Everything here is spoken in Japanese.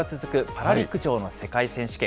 パラ陸上の世界選手権。